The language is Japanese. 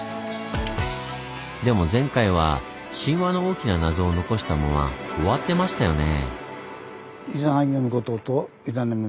でも前回は神話の大きな謎を残したまま終わってましたよね。